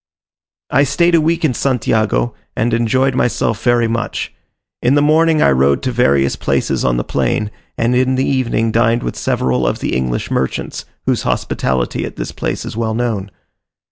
I stayed a week in Santiago, and enjoyed myself very much. In the morning I rode to various places on the plain, and in the evening dined with several of the English merchants, whose hospitality at this place is well known.